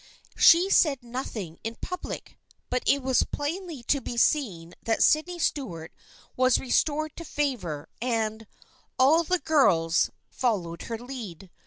She said nothing in public, but it was plainly to be seen that Sydney Stuart was restored to favor, and " all the girls " followed her lead.